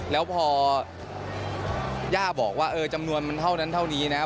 แล้วพอย่าบอกว่าเออจำนวนมันเท่านั้นเท่านี้นะครับ